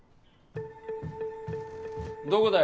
どこだよ？